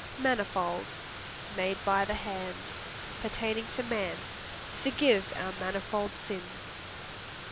Manifold Made by the hand. Pertaining to man; "Forgive our manifold sins."